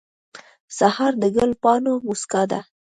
سهار د ګل پاڼو موسکا ده.